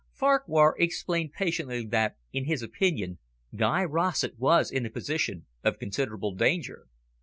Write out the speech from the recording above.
Farquhar explained patiently that, in his opinion, Guy Rossett was in a position of considerable danger.